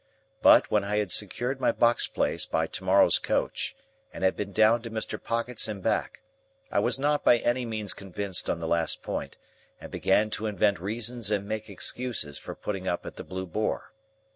But, when I had secured my box place by to morrow's coach, and had been down to Mr. Pocket's and back, I was not by any means convinced on the last point, and began to invent reasons and make excuses for putting up at the Blue Boar.